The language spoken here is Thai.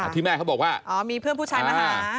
ที่แม่เขาบอกว่าอ๋อมีเพื่อนผู้ชายมาหา